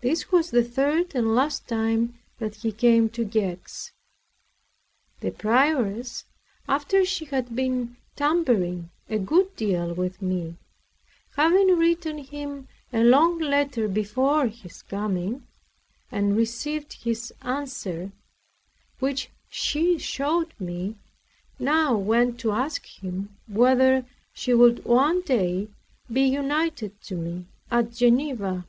This was the third and last time that he came to Gex. This prioress, after she had been tampering a good deal with me, having written him a long letter before his coming, and received his answer, which she showed me, now went to ask him whether she would one day be united to me at Geneva.